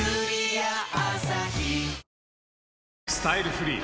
「アサヒスタイルフリー」！